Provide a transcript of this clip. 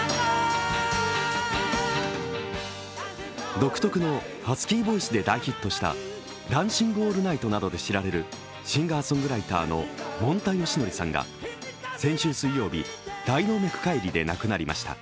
独特のハスキーボイスで大ヒットした「ダンシング・オールナイト」などで知られるシンガーソングライターのもんたよしのりさんが先週水曜日大動脈解離で亡くなりました。